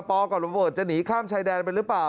กับโรเบิร์ตจะหนีข้ามชายแดนไปหรือเปล่า